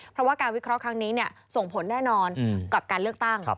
เพราะว่าการวิเคราะห์ครั้งนี้ส่งผลแน่นอนกับการเลือกตั้ง